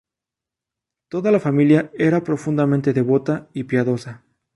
Toda la familia era profundamente devota y piadosa.